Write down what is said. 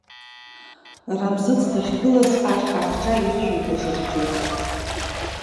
Рамзыц дахьгылаз ахь ахҿа иршәит даҽаӡәгьы.